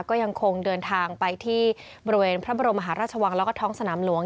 ก็ยังคงเดินทางไปที่บริเวณพระบรมมหาราชวังแล้วก็ท้องสนามหลวง